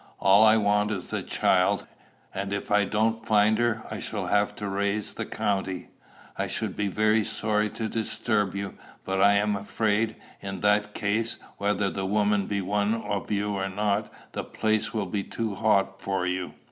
All I want is the child, and if I don't find her, I shall have to raise the county. I should be very sorry to disturb you; but I am afraid, in that case, whether the woman be one of you or not, the place will be too hot for you.